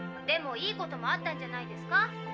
でもいいこともあったんじゃないんですか？